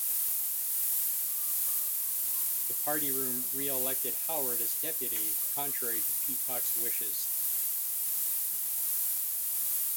The party room re-elected Howard as Deputy, contrary to Peacock's wishes.